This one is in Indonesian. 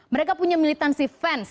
mereka punya militansi fans